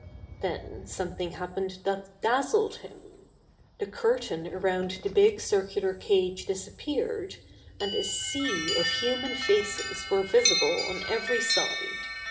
Then something happened that dazzled him. The curtain around the big circular cage disappeared, and a sea of human faces were visible on every side.